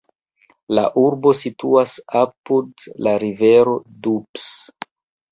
La urbo situas apud la rivero Doubs.